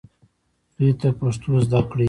دوی ته پښتو زده کړئ